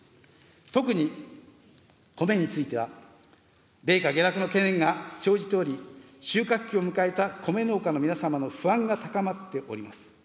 特に、米については米価下落の懸念が生じており、収穫期を迎えた米農家の皆様の不安が高まっております。